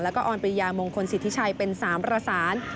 แล้วก็ออนปริยามงคลสิทธิชัยเป็น๓ประสาน